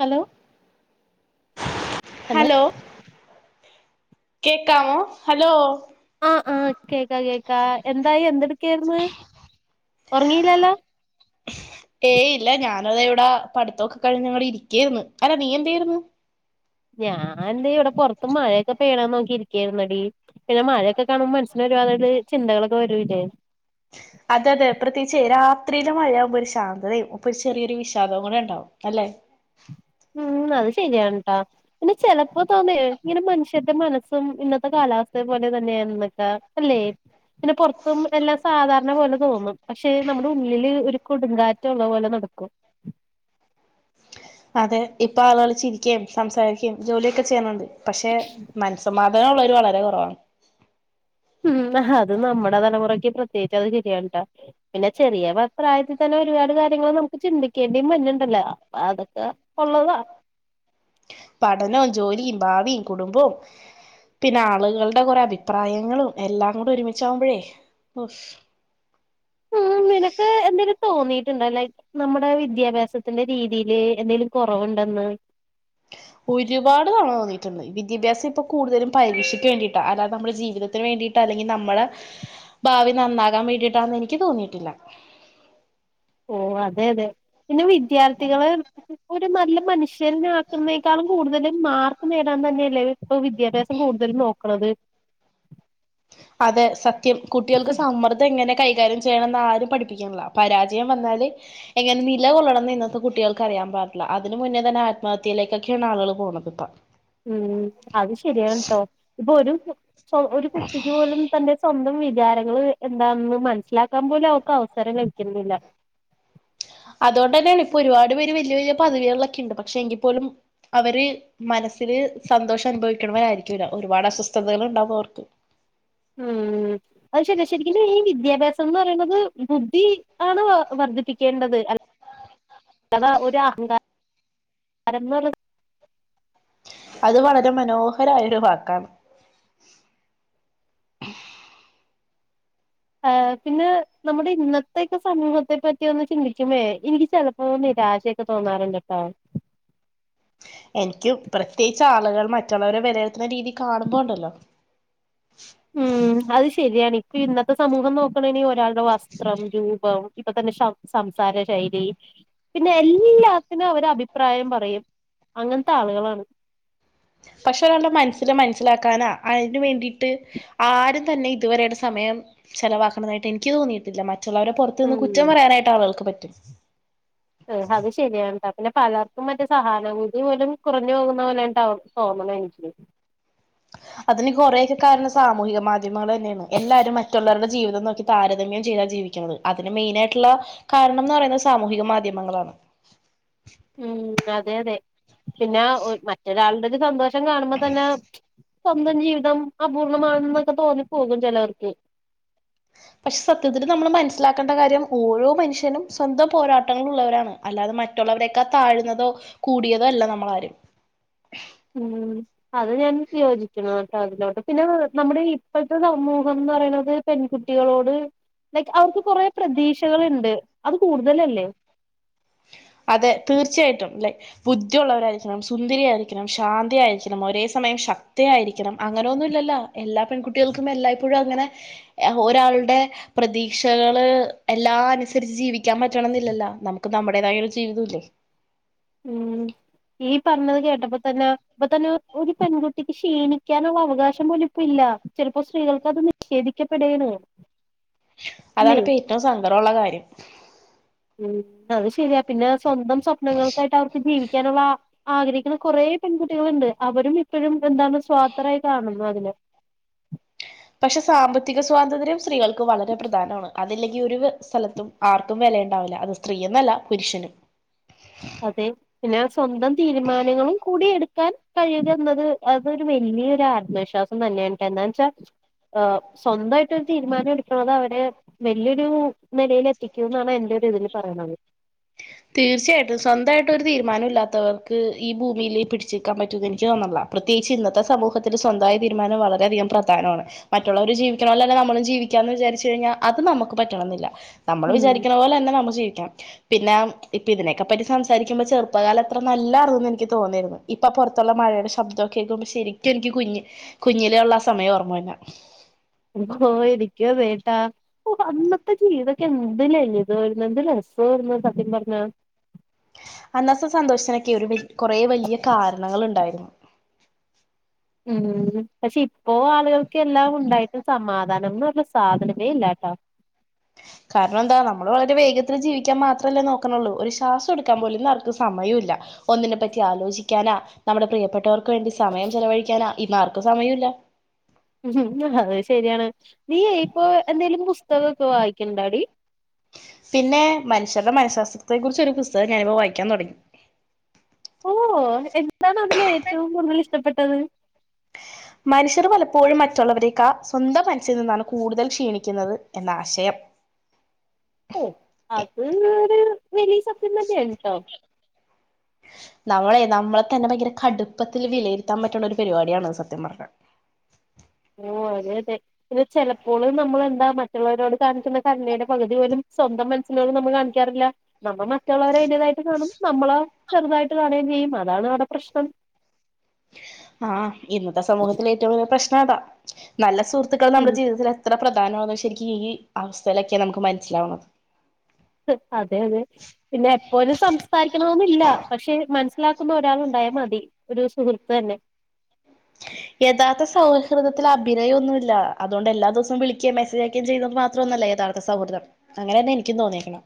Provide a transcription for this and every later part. Hello hello കേക്കാവോ hello ആ ആ കേക്കാ കേക്കാ എന്തായി എന്തെട്ക്കെര്ന്ന് ഒറങ്ങില്ലല്ലോ ഞാനിവിടെ പഠിത്തൊക്കെ കഴിഞ്ഞ് ഇവിടെ ഇരിക്കായിരുന്നു അല്ല നീ എന്തായിരുന്നു ഞാൻ തെ ഇവടെ പൊർത്ത് മഴയൊക്കെ പെയ്യ്ണെ നോക്കി ഇരിക്കായിര്ന്നെടി പിന്നെ മഴ ഒക്കെ കാണുമ്പോ മനസ്സിന് ഒരു അതായത് ചിന്തകളൊക്കെ വരു എ അതെ അതെ പ്രത്യേകിച്ച് രാത്രിയില് മഴയാകുമ്പോ ഒരു ശാന്തതയായിരിക്കും അപ്പൊ ഒരു ചെറിയൊരു വിഷാദവും കൂടെ ഉണ്ടാവും അല്ലെ ഉം അത് ശരിയാണ് ആ പിന്നെ ചെലപ്പോ തോന്നെ ഇങ്ങനെ മനുഷ്യര്ടെ മനസ്സും ഇന്നത്തെ കാലാവസ്ഥയെ പോലെ തന്നെയാ എന്നൊക്കാ അല്ലേ പിന്നെ പൊർത്തും എല്ലാം സാധാരണ പോലെ തോന്നും പക്ഷെ നമ്മുടെ ഉള്ളിൽ ഒര് കൊടും കാറ്റ് ഒള്ള പോലെ നടക്കും അതെ ഇപ്പ ആളുകൾ ചിരിക്കെയം സംസാരിക്കെയം ജോലിയൊക്കെ ചെയ്യ്ണ് ഇണ്ട് പക്ഷെ മൻസമാ [unintelligible] വളരെ കുറവാാണ് ഉം ആ അത് നമ്മുടെ തലമുറക്ക് പ്രത്യേകിച്ച് അത് ശരിയാണ് ട്ടോ പിന്നെ ചെറിയ പ്രാ പ്രായത്തിൽ തന്നെ ഒരുപാട് കാര്യങ്ങൾ നമുക്ക് ചിന്തിക്കേണ്ടിം വര്‌ണ് ഇണ്ടല്ലോ അപ്പ അതൊക്കെ ഒള്ളതാ പഠനും ജോലിയും ഭാവിയും കുടുംബവും പിന്നെ ആളുകളുടെ കുറെ അഭിപ്രായങ്ങളും എല്ലാം കൂടെ ഒരുമിച്ചാവുമ്പോഴേ ഔ ഉം നിനക്ക് എന്തെങ്കിലും തോന്നിട്ട് ഇണ്ടോ ലൈക്ക് നമ്മുടെ വിദ്യാഭ്യാസത്തിന്റെ രീതിയിൽ എന്തെലും കൊറവ് ഇണ്ടെന്ന് ഒരുപാട് തവണ തോന്നിയിട്ടുണ്ട് വിദ്യാഭ്യാസം ഇപ്പൊ കൂടുതലും പരീക്ഷയ്ക്ക് വേണ്ടിട്ടാ അല്ലാതെ നമ്മുളെ ജീവിതത്തിന് വേണ്ടിട്ടാ അല്ലെങ്കിൽ നമ്മുളെ ഭാവി നന്നാകാൻ വേണ്ടിട്ടാന്ന് എനിക്ക് തോന്നിട്ടില്ല ഓ അതെ അതെ പിന്നെ വിദ്യാർത്ഥികളെ ഒരു നല്ല മനുഷ്യനാക്കുന്നതിനേക്കാളും കൂടുതലും മാർക്ക് നേടാൻ തന്നെയല്ലേ ഇപ്പ വിദ്യാഭ്യാസം കൂടുതല് നോക്ക് ക്കണത് അതെ സത്യം കുട്ടികൾക്ക് സമ്മർദ്ദം ങ്ങനെ കൈകാര്യം ചെയ്യണംന്ന് ആരും പഠിപ്പിക്ക്ള്ള പരാജയം വന്നാല് എങ്ങനെ നില കൊള്ളണംന്ന് ഇന്നത്തെ കുട്ട്യാൾക്ക് അറിയാൻ പാടില്ല അതിന് മുന്നേ തന്നെ ആത്മഹത്യയിലേക്കൊക്കെയാണ് ആളുകള് പോണത് ഇപ്പ ഉം അത് ശെരിയാണ് ട്ടോ ഇപ്പൊ ഒരു സോ ഒരു കുട്ടിക്ക് പോലും പ്പ എന്തേലും സ എന്തും വിചാരങ്ങള് എന്താന്ന് മനസ്സിലാക്കാൻ പോലും അവക്ക് അവസരം ലഭിക്കുന്നില്ല അതുകൊണ്ട് തന്നേണ് ഇപ്പൊ ഒരുപാടെപോരെ വലിയ വലിയ പദവികളെക്കെണ്ട് പക്ഷെ എങ്കി പ്പോലും അവര് മനസ്സില് സന്തോഷം അനുഭവിക്കണവരായിരിക്കുല്ല ഒരുപാട് അസ്വസ്ഥതകൾ ഉണ്ടാാവും അവർക്ക് ഉം അത് ശരിയാ ശരിക്കിനും ഈ വിദ്യാഭ്യാസ എന്ന് പറയുന്നത് ബുദ്ധി ആണ് വർദ്ധിപ്പിക്കേണ്ടത് അല്ല അത ഒരു അഹങ്കാ അരന്നൂറ് അത് വളരെ മനോഹരായ ഒരു വാക്കാണ് ആ പിന്നെ നമ്മുടെ ഇന്നത്തെക്കെ സമൂഹത്തെ പറ്റി ഒന്ന് ചിന്തിക്കുമേ എനിക്ക് ചെിലപ്പോ നിരാശയൊക്കെ തോന്നാറുണ്ട് ട്ടോ എനിക്ക് പ്രത്യേകിച്ച് ആ ആളുകൾ മറ്റുള്ളവരെ വിലയിരുത്തുന്ന രീതി കാണുമ്പോ ഉണ്ടല്ലോ ഉം അത് ശരിയാണ് ഇപ്പ ഇന്നത്തെ സമൂഹം നോക്കണിൽ ഒരാൾ വസ്ത്രം രൂപം ഇപ്പൊ തന്നെ സംസാര ശൈലി പിന്നെ എല്ലാത്തിനും അവര് അഭിപ്രായം പറയും അങ്ങനത്തെ ആളുകളാണ്. പക്ഷെ ഒരാളുടെ മനസ്സില് മനസ്സിലാക്കാന അതിന് വേണ്ടിട്ട് ആരും തന്നെ ഇതുവരെയിട്ട് സമയം ചെലവാക്കണതായിട്ട് എനിക്ക് തോന്നിയിട്ടില്ല മറ്റ ള്ളവരെ നിന്ന് കുറ്റം ഉം പറയാനട്ട് ആൾക്ക് പറ്റും. ത്തി അത് ശരിയാണ്ട. പിന്നെ പലർക്കും മറ്റേ സഹാനഭൂതി പോലും കുറഞ്ഞു പോകുന്ന പോലെയ തോന്നണ എനിക്ക് അതിന് കൊറെയക്കെ കാരണം സാമൂഹികമാധ്യ ദ്ധ്യമങ്ങൾ തന്നെയാണ് എല്ലാരും മറ്റുള്ളരുടെ ജീവിതം നോക്കി താരതമ്യം ചെയ്താ ജീവിക്കുന്നത് അതിന് മെയിന ആയിട്ടുള്ള കാരണം എന്ന് പറയുന്നത് സാമൂഹിക മാധ്യമങ്ങളാണ് ഉം അ അതെ അതെ പിന്നെ മറ്റൊരാളുടെ ഒരു സന്തോഷ കാണുമ്പോ തന്നെ സ്വന്തം ജീവിതം അപൂർണമാണെന്നൊക്കെ തോന്നിപ്പോകും ചിലവർക്ക് പക്ഷെ സത്യത്തിൽ നമ്മൾ മനസ്സിലാക്കേണ്ട കാര്യം ഓരോ മനുഷ്യനും സ്വന്തം പോരാട്ടങ്ങളൾ ഉള്ളവരാണ് അല്ലാതെ മറ്റുള്ളവരക്കാ താഴ്ന്നതോ കൂടിയതോ അല്ല നമ്മളാരും. ഉ അത് ഞാൻ യോജിക്കണു ട്ടോ അതിലോട്ട് പിന്നെ നമ്മുടെ ഇപ്പോഴത്തെ സമൂഹം എന്ന് പറയുന്നത് പെൺകുട്ടികളോട് ലൈക്ക് അവർക്ക് കൊറ പ്രതീക്ഷകളിണ്ട് അത് കൂടുതലല്ലേ അതെ തീർച്ചയായിട്ടും ലെ ബുദ്ധിയുള്ളവരായിരിക്കണം സുന്ദരിയായിരിക്കണം ശാന്തിയായിരിക്കണം ഒരേ സമയം ശക്തയായിരിക്കണം അങ്ങനെ ഒന്നുമല്ലല്ലോ എല്ലാ പെൺകുട്ടികൾക്കും എല്ലായ്പ്പോഴും അങ്ങനെ ഒരാളുടെ പ്രതീക്ഷകള് എല്ലാം അനുസരിച്ച് ജീവിക്കാൻ പറ്റണം എന്നില്ലല്ലോ നമുക്ക് നമ്മുടേതായ ജീവിതല്ലേ ഉം ഈ പറഞ്ഞത് കേട്ടപ്പോ തന്നെ ഇപ്പൊ തന്നെ ഒരു പെൺകുട്ടിക്ക് ക്ഷീണിക്കാനുള്ള അവകാശം പോലിപ്പില്ല ചിലപ്പോ സ്ത്രീകൾക്ക് അത് നിഷേധിക്കപ്പെടേണ് ഇല്ലേ അതണിപ്പ ഏറ്റവും സങ്കടമുള്ള കാര്യം ഉം അത് ശരിയാ പിന്നെ സ്വന്തം സ്വപ്നങ്ങൾക്കായിട്ട് അവർക്ക് ജീവിക്കാനുള്ള ആഗ്രഹിക്കുന്ന കുറേ പെൺകുട്ടികളുണ്ട് അവരും ഇപ്പഴും എന്താണ് സ്വാർതരായി കാണുന്നു അതിന് പക്ഷെ സാമ്പത്തിക സ്വാതന്ത്ര്യം സ്ത്രീകൾക്ക് ക്ക് വളരെ പ്രധാനമാണ് അതില്ലെങ്കി ഒരു സ്ഥലത്തും ആർക്കും വെലയുണ്ടാവില്ല അത് സ്ത്രീ എന്നല്ല പുരുഷനും അതെ പിന്നെ കാൻ കഴിയുക എന്നത് അതൊരു വലിയൊരു ആത്മവിശ്വാസം തന്നെയാണ് ട്ടാ എന്താന്ന് വച്ചാൽ സ്വന്തായി ട്ടൊരു തീരുമാനം എടുക്കണത് അവര് വല്യൊരു നിലയിൽ എത്തിക്കും എന്നാണ് എന്റെ ഒരു ഇതില് പറയണത് തീർച്ചയായിട്ടും സ്വന്തായിട്ടൊ ഒരു തീരുമാനം ഇല്ലാത്തവർക്ക് ഈ ഭൂമിയിൽ പിടിച്ച് നിൽക്കാൻ പറ്റും എന്ന് എനിക്ക് തോന്നില്ല പ്രത്യേകിച്ച് ഇന്നത്തെ സമൂഹത്തിൽ സ്വന്തായ തീരുമാനം വളരെയധികം പ്രധാനമാണ് മറ്റുള്ളവര് ജീവിക്കണ പോലെ തന്നെ നമ്മളും ജീവിക്കാ എന്ന് വിചാരിച്ച് കഴിഞ്ഞാൽ അത് നമുക്ക് പറ്റണംന്നില്ല നമ്മള് ഉം വിചാരിക്ണ പോലെ തന്നെ നമ്മൾ ജീവിക്കണം പിന്നെ ഇപ്പൊ ഇതിനൊക്കെ പറ്റി സംസാരിക്കുമ്പോ ചെറുപ്പകാലം അത്ര നല്ലായിരുന്നുന്ന് എനിക്ക് തോന്നിയിരുന്നു ഇപ്പൊ പൊറത്തുള്ള മഴയുടെ ശബ്ദമൊക്കെ കേക്കുമ്പോ ശരിക്കും എനിക്ക് കുഞ് കുഞ്ഞിലേ ഉള്ള ആ സമയം ഓർമ്മ വര് ന് ആ എനിക്കുഅതേ ട്ടാ ഓ അന്നത്തെ ജീവിതക്കെ എന്ത് ജീവിതവായിരുന്നു എന്ത് രസവായിരുന്നു സത്യം പറഞ്ഞാ അന്നത്തെ സന്തോഷത്തിനൊക്കെ ഒരു കൊറെ വലിയ കാരണങ്ങള്ണ്ടായിരുന്നു ഉം പക്ഷെ ഇപ്പോ ആളുകൾക്ക് എല്ലാം ഉണ്ടായിട്ട് സമാധാ ന്ന് പറഞ്ഞ സാധനമേ ഇല്ലാട്ടോ കാരണം എന്താ നമ്മള് വളരെ വേഗത്തിൽ ജീവിക്കാൻ മാത്രല്ലേ നോക്കണള്ളൂ ഒരു ശ്വാസം എടുക്കാൻ പോലുംന്ന അവർക്ക് സമയമില്ല ഒന്നിനെ പറ്റി ആലോചിക്കാനാ നമ്മുടെ പ്രിയപ്പെട്ടവർ ക്ക് വേണ്ടി സമയം ചലവഴിക്കാനാ ഇന്ന് ആർക്കും സമയമില്ല അത് ശരിയാണ് നീ ഇപ്പൊ എന്തേലും പുസ്തകമൊക്കെ വായിക്കണ്ടോടി പിന്നെ മനുഷ്യരുടെ മനഃശാസ്ത്രത്തെ കുറിച്ച ഒരു പുസ്തകം ഞാനിപ്പം വായിക്കാൻ തുടങ്ങി ഓ എന്താണ് അതില് ഏറ്റവും കൂടുതൽ ഇഷ്ടപ്പെട്ടത് മനുഷ്യർ പലപ്പോഴും മറ്റുള്ളവരേക്കാ സ്വന്തം മനസ്സിൽ നിന്നാണ് കൂടുതൽ ക്ഷീണിക്കുന്നത് എന്ന ആശയം ഓ അത് ഒര് വലിയ സത്യം തന്നെയാണ് ട്ടോ നമ്മളെ നമ്മളെ തന്നെ ഭയങ്കര കടുപ്പത്തിൽ വിലയിരുത്താൻ പറ്റ്ണ ഒരു പരിപാടിയാണ് സത്യം പറഞ്ഞാ ഓ അതെ അതെ ഇത് ചെലപ്പോൾ നമ്മൾെന്താ മറ്റുള്ളവരോട് കാണിക്കുന്ന കരുണയുടെ പകുതി പോലും സ്വന്തം മനസ്സിനോട് നമ്മൾ കാണിക്കാറില്ല നമ്മൾ മറ്റുള്ളവരെ അയ്ൻൻ്റതായിട്ട് കാണും നമ്മളോ ചെറുതായിട്ട് കാണേം ചെയ്യും അതാണ് അവിടെ പ്രശ്നം ആഹ് ഇന്നത്തെ സമൂഹത്തിൽ ഏറ്റവും വലിയ പ്രശ് ആതാ നല്ല സുഹത്തുക്കൾ ഉം നമ്മുടെ ജീവിത്തിൽ എത്ര പ്രധാനമാ ശരിക്കും ഈ അവസ്ഥയിലൊക്കെ നമുക്ക് മനസ്സിലാവുന്നത് അതെ അതെ പിന്നെ എപ്പോലും സംസാരിക്കണമന്നില്ല പക്ഷെ മ മനസിലാക്കുന്ന ഒരാൾ ഉണ്ടായൽ മതി ഒരു സുഹൃത്ത് തന്നെ യഥാർത്ഥ സൗഹൃദത്തിൽ അഭിനയം ഒന്നുമല്ല അതുകൊണ്ട് എല്ലാ ദിവസവും വിളിക്ക മെസ്സേജ് ആക്കുകയും ചെയ്യുന്നത് മാത്രം ഒന്നുമല്ല യഥാർത്ഥ സൗഹൃദം അങ്ങനെ തന്നെ എനിക്കും തോന്നിയേക്കണെ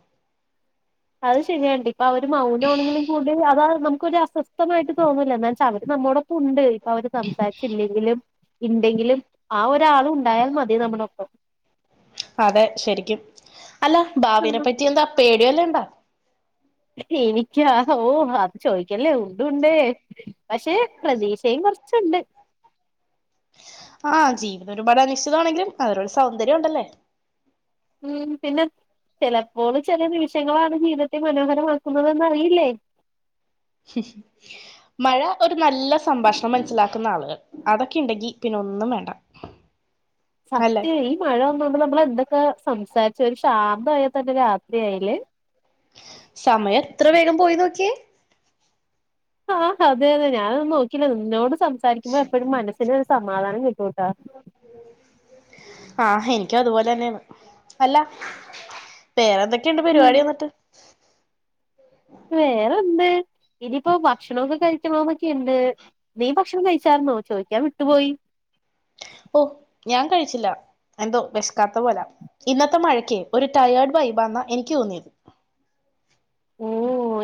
അത് ശരിയണ്ട് ഇപ്പൊ അവര് മൗനമാ ആണെങ്കിലും കൂടി അതാ നമുക്കൊരു അസ്ഥ ശക്തമായിട്ട് തോന്നുന്നില്ല എന്നാ വച്ചാ അവര് നമ്മോടൊപ്പം ഉണ്ട് അപ്പ അവര് സംസാരിച്ചില്ലെങ്കിലും ഇണ്ടെങ്കിലും ആ ഒരാള് ഉണ്ടായാൽ മതി നമ്മളൊപ്പം അതെ ശരിക്കും അല്ല ഭാവിനെ പറ്റി എന്താ പേ ഇടല്ണ്ടാ എനിക്കാ ഓ അത് ചോയിക്കല്ലേ ടുണ്ടേ പക്ഷെ പ്രതീക്ഷയും കുറച്ചുണ്ട് ആ ജീവിതം ഒരുപാട് അനിശ്ചിതമാണെങ്കിലും അതിനൊരു സൗന്ദര്യം ഉണ്ടല്ലേ ഉം പിന്നെ ചിലപ്പോൾ ചില നിമിഷങ്ങളാണ് ജീവിതത്തെ മനോഹരമാക്കുന്നതെന്ന്റിയില്ലേ മഴ ഒരു നല്ല സംഭാഷണം മനസ്സിലാക്കുന്ന ആളുകൾ അതൊക്കെ ഉണ്ടെങ്കി പിന്നെ ഒന്നും വേണ്ട അല്ലെ സത്യം ഈ മഴ വന്നൊണ്ട് നമ്മള് എന്തൊ ഒക്ക സംസാരിച്ച ഒരു ശാന്തമായാൽ തന്നെ രാത്രിയായാല് സമയം എത്ര വേഗം പോയി നോക്കിയേ ആ അതെ അതെ ഞാനൊന്നും നോക്കില്ല നിന്നോട് സ സംസാരിക്കുമ്പോ എപ്പോഴും മനസ്സിന് ഒരു സമാധാനം കിട്ടൂട്ടാ ആഹ് എനിക്കതുപോലെ തന്നെയാണ് അല്ല വേറെന്തൊക്ക ഇണ്ട് ഉം പരിപാടി എന്നിട്ട് വേറെന്ത് ഇനിയിപ്പോ ഭക്ഷണമൊക്കെ കഴിക്കണോന്നൊക്കെ ഉണ്ട് നീ ഭക്ഷണം കഴിച്ചരുന്നോ ചോദിക്കാൻ വിട്ടുപോയി ഓ് ഞാൻ കഴിച്ചില്ല എന്തോ വിശക്കാത്ത പോലെ ഇന്നത്തെ മഴക്ക് ഒരു ടയേർഡ് വൈബാന്ന എനിക്ക് തോന്നിയത് ഓ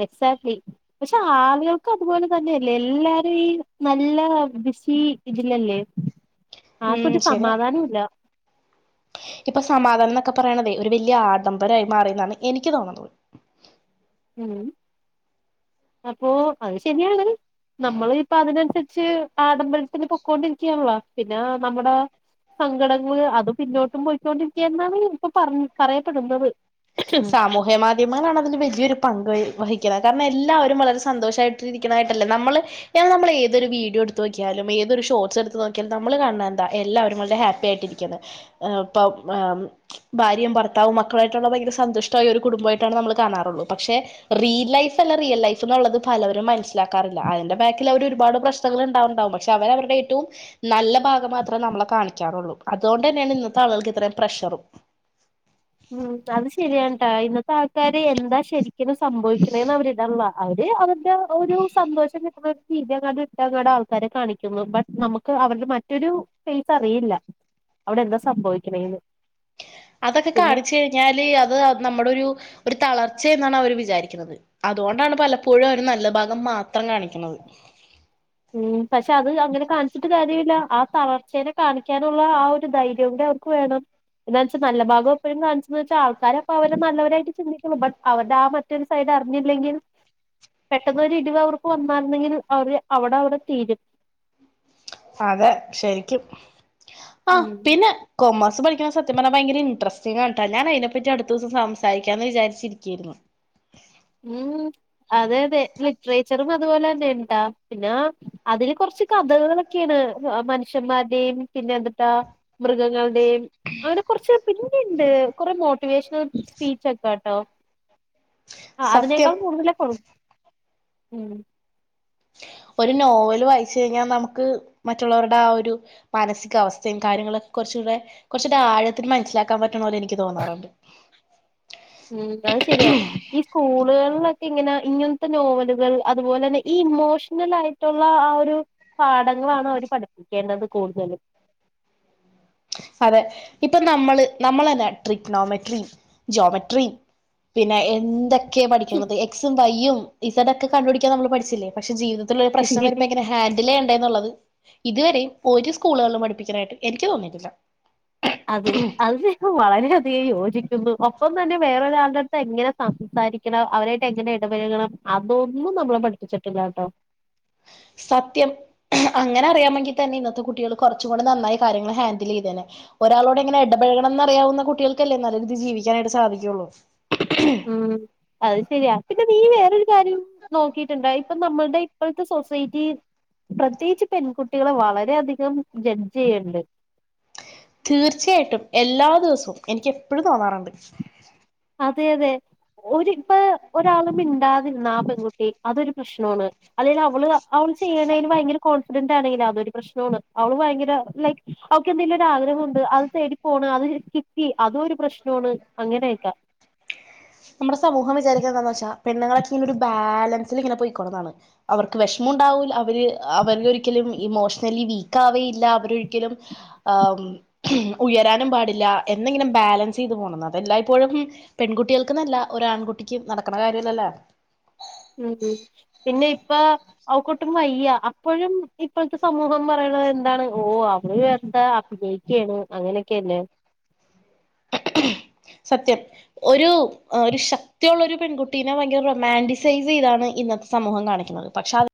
എക്സാക്ട്ലി പക്ഷെ ആളുകൾക്ക അതുപോലെ തന്നെയല്ലേ എല്ലാരും ഈ നല്ല ബിസി ഇതില്ലല്ലേ ഉം ശരി ഇപ്പൊ സമാധാന ക്കെ പറയണതേ ഒരു വലിയ ആഡംബരമായി മാറിന്നാണ് എനിക്ക് തോന്നുന്നത് ഉ അപ്പോ അത് ശരിയാണ് നമ്മള് ഇപ്പ അതിനനുസരിച്ച് അതിനനുസരിച്ച് പൊക്കോണ്ടിരിക്കയാണല്ലാ പിന്നെ നമ്മുടെ സങ്കടങ്ങള് അത് പിന്നോട്ടും പോയിക്കൊണ്ടിരിക്കന്നാണ് ഇപ്പൊ പറ പറയപ്പെടുന്നത് സാമൂഹ്യ മാധ്യമങ്ങളാണ് അതിന് വലിയൊരു പങ്ക് വഹിക്കണെ കാരണം എല്ലാവരും വളരെ സന്തോഷമായിട്ടിരിക്കണതായിട്ടല്ലേ നമ്മള് നമ്മൾ ഏതൊരു വീഡിയോ എടുത്ത് നോക്കിയാലും ഏതൊരു ഷോർട്സ് എടുത്തു നോക്കിയാലും നമ്മൾ കണ എന്താ എല്ലാവരും വളരെ ഹാപ്പി ആയിട്ടിരിക്കുന്ന ഇപ്പം ഭാര്യയും ഭർത്താവും മക്കളായി ഭയങ്കര സന്തുഷ്ടമായ ഒരു കുടുംബമായിട്ടാണ് നമ്മൾ കാണാറുള്ളൂ പക്ഷെ റീൽ ലൈഫ് അല്ല റിയൽ ലൈഫ് എന്നുള്ളത് പലരും മനസ്സിലാക്കാറില്ല അതിന്റെ ബാക്കിൽ അവര് ഒരുപാട് പ്രശ്നങ്ങൾ ഉണ്ടാവുണ്ടാവും പക്ഷെ അവര അവരുടെ ഏറ്റവും നല്ല ഭാഗം മാത്രമേ നമ്മളെ കാണിക്കാറുള്ളൂ അതുകൊണ്ട് തന്നെയാണ് ഇന്നത്തെ ആളുകൾക്ക് ഇത്രയും പ്രഷറും ഉം അത് ശ ശരിയാണ്ട്ടാ ഇന്നത്തെ ആൾക്കാര് എന്താ ശരിക്കിനു സംഭവിക്കുന്നേന്ന് അവര് ഇടൺല്ല അവര് [unintelligible] ഒരു സന്തോഷം കിട് [unintelligible] ആൾക്കാരെ കാണിക്കുന്നു ബട്ട് നമുക്ക് അവരുടെ മറ്റൊരു ഫേസ് അറിയില്ല അവിടെ എന്താ സംഭവിക്കണേന്ന് അതൊക്കെ പിന്നെ കാണിച്ചു കഴിഞ്ഞാല് അത് നമ്മുടൊരു ഒരു തളർച്ചയ എന്നാണ് അവര് വിചാരിക്കുന്നത് അതുകൊണ്ടാണ് പലപ്പോഴും അവര് നല്ല ഭാഗം മാത്രം കാണിക്കണത് ഉം പക്ഷെ അത് അങ്ങനെ കാണിച്ചിട്ട് കാര്യമില്ല ആ തളർച്ചേനെ കാണിക്കാനുള്ള ആ ഒരു ധൈര്യം കൂടി അവർക്ക് വേണം എന്നാന്ന് വെച്ചാൽ നല്ല ഭാഗം എപ്പോഴും കാണിച്ചന്ന് വച്ചാൽ ആൾക്കാരെ അപ്പ അവരെ നല്ലവരായിട്ട് ചിന്തിക്കുള്ളു ബട് അവരുടെ ആ മറ്റൊരു സൈഡ് അറിഞ്ഞില്ലെങ്കിൽ പെട്ടെന്നൊരു ഇടിവ് അവർക്ക് വന്നാരുന്നെങ്കിൽ അവര് അവിടെ അവിടെ തീരും അതെ ശരിക്കും ആഹ് ഉം പിന്നെ കോമ സ് പഠിക്കണ സത്യം പറ ഭയങ്കര ഇൻട്രസ്റ്റിംഗാട്ടാ ഞാൻ അതിനെപ്പറ്റി അടുതീസ്സം സംസാരിക്കാന്ന് വിചാരിച്ചിരിക്കയായിരുന്നു ഉം അതെ അതെ ലിറ്ററേച്ചറും അതുപോലെ തന്നെ ഉണ്ടാ പിന്നെ അതില് കുറച്ച് കഥകകളൊക്കെയാണ് മനുഷ്യന്മാരുടെയും പിന്നെ എന്തട്ടാ മൃഗങ്ങളുടെയും അങ്ങനെ കുറച്ച് പിന്നെ ഉണ്ട് കുറെ മോട്ടിവേഷണൽ സ്പീച്ച് ഒക്കെ [unintelligible] ആ സത്യം അതിനേക്കാൾ കൂടുതല കൊടു ഉം ഒരു നോവല് വായിച്ചു കഴിഞ്ഞാൽ നമുക്ക് മറ്റുള്ളവരുടെ ആ ഒരു മാനസിക അവസ്ഥയും കാര്യങ്ങളൊക്കെ കുറച്ചുകൂടെ കുറച്ച ആഴത്തിന് മനസ്സിലാക്കാൻ പറ്റണലെ എനിക്ക് തോന്നാറുണ്ട് ഉം അത് ശരിയാ ഈ സ്കൂളുകളിലൊക്കെ ഇങ്ങനെ ഇങ്ങനത്തെ നോവലുകൾ അതുപോലെന്നെ ഈ ഇമോഷണൽ ആയിട്ടുള്ള ആ ഒരു പാഠങ്ങളാണ് അവര് പഠിപ്പിക്കേണ്ടത് കൂടുതലും അതെ ഇപ്പൊ നമ്മള് നമ്മൾന്നെ ട്രിപനോമെട്രി ജോമെട്രി പിന്നെ എന്തൊ കെ പഠിക്കുന്നത് എക്സും വൈയ്യും ഇസടോക്കെ കണ്ട് പിടിക്കാനമ്മള് പഠിച്ചില്ലേ പക്ഷെ ജീവിത ഇതിലെ പ്രശ്നം കൂടുതലും വരുമ്പോ എങ്ങനെ ഹാൻഡിലേയ്യേണ്ടേ എന്നുള്ളത് ഇതുവരെയും ഒരു സ്കൂളുകളിലും പഠിപ്പിക്കാനായിട്ട് എനിക്ക് തോന്നിയിട്ട ഇല്ല അതെ അത് ശെരിക്കും വളരെയധികം യോജിക്കുന്നു ഒപ്പം തന്നെ വേറൊരാളുടെ അടുത്ത് എങ്ങനെ സംസാരിക്കണം അവരായിട്ട് എങ്ങനെ ഇടപെഴകണം അതൊന്നും നമ്മളെ പഠിപ്പിച്ചിട്ടില്ലട്ടോ സത്യം അങ്ങനെ അറിയാമെങ്കിൽ തന്നെ ഇന്നത്തെ കുട്ടികൾ കുറച്ചും കൂടി നന്നായി കാര്യങ്ങൾ ഹാൻഡിൽ ചെയ്തേനെ ഒരാളോട് ഇങ്ങനെ ഇടപഴകണംന്ന് അറിയാവുന്ന കുട്ടികൾക്കല്ലേ നല്ല രീതിൽ ജീവിക്കാനായിട്ട് സാധിക്കുള്ളു ഉം അത് ശരി യ പിന്നെ നീ വേറൊരു കാര്യം നോക്കിട്ടുണ്ട ഇപ്പൊ നമ്മളുടെ ഇപ്പോഴത്തെ സൊസൈറ്റി പ്രത്യേകിച്ച് പെൺകുട്ടികളെ വളരെയധികം ജഡ്ജ് ചെയ്യണ്ട് തീർച്ചയായിട്ടും എല്ലാ ദിവസവും എനിക്ക് എപ്പോഴും തോന്നാറുണ്ട് അതെ അതെ ഒരു ഇപ്പൊ ഒരാളും മിണ്ടാതിരുന്ന ആ പെൺകുട്ടി അതൊരു പ്രശ്നാണ് അതായത് അവള് അവള് ചെയ്യുണെന് ഭയങ്കര കൊന് [unintelligible] ആണെങ്കിൽ അതൊരു പ്രശ്നാണ് അവള് ഭയങ്കര ലൈക്ക് അവക്ക് എ ന്തെലും ഒരു ആഗ്രഹം ണ്ട് അയ് തെടിപോണ് അത് കിട്ടി അതും ഒരു പ്രശ്നോ ആണ് അങ്ങനെ ഒക്കെ നമ്മുടെ സമൂഹം വിചാരിക്ക എന്താന്ന് വെച്ചാ പെണ്ണുങ്ങളൊക്കെ ഇങ്ങനെ ഒരു ബാലൻസിൽ ഇങ്ങനെ പോയിക്കോണംന്നാണ് അവർക്ക് വെഷമം ഉണ്ടാവുലാ അവര് അവര് ഒരിക്കലും ഇമോഷണലി വീക്ക് ആവേയില്ല അവരൊരിക്കലും ആ ഉയരാനും പാടില്ല എന്നാ ഇങ്ങനെ ബാലൻസ് ചെയ്ത് പോണംന്നാ അതെ എല്ലായിപ്പോഴും പെൺകുട്ടികൾക്ക് ന [unintelligible] പിന്നെ ഇപ്പ അവക്ക് ഒട്ടും വയ്യാ അപ്പഴും ഇപ്പൾത്ത സമൂഹം പറയ്ണതെന്താണ് ഓ അ [unintelligible] എന്താ അഭിനയിക്കേണ് അങ്ങനെയൊക്കെയല്ലേ സത്യം ഒരു ഒരു ശക്തിയുള്ള ഒരു പെൺകുട്ടീനെ ഭയങ്കര റൊമാന്റിസൈസ് ചെയ്താണ് ഇന്നത്തെ സമൂഹം കാണിക്കുന്നത് പക്ഷെ അത്